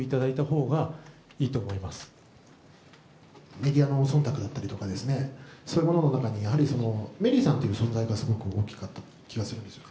メディアのそんたくだったりとかそういうものの中にメリーさんという存在がすごく大きかった気がするんですよ。